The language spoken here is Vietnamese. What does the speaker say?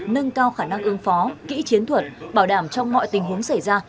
nâng cao khả năng ứng phó kỹ chiến thuật bảo đảm trong mọi tình huống xảy ra